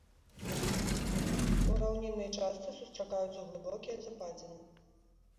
У раўніннай частцы сустракаюцца глыбокія западзіны.